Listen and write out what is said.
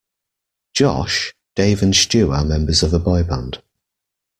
Josh, Dave and Stu are members of a boy band.